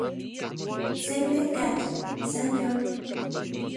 Se mekatl, san yon.